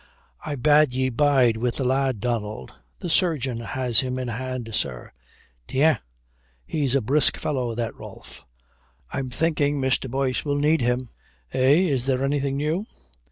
"I bade ye bide with the lad, Donald." "The surgeon has him in hand, sir." "Tiens. He's a brisk fellow, that Rolfe." "I'm thinking Mr. Boyce will need him." "Eh, is there anything new?"